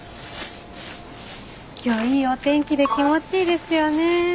今日いいお天気で気持ちいいですよね。